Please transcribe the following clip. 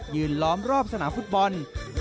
ล้อมรอบสนามฟุตบอล